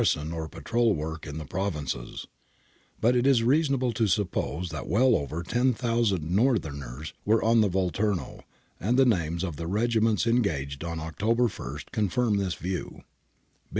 'son or patrol work in the provinces, but it is reasonable to suppose that well over 10,000 Northerners were on the Volturno, and the names of the regiments engaged on Oct ober I confirm this view.